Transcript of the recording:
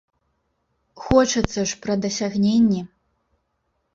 Хочацца ж пра дасягненні!